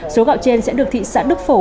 số gạo trên sẽ được thị xã đức phổ